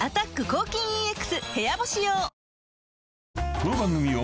［この番組を］